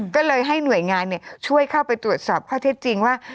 ก็เลยให้หน่วยงานช่วยเข้าไปตรวจสอบข้อเท็จจริงว่า